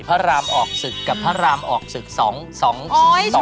พระรามออกศึกกับพระรามออกศึกสองสอง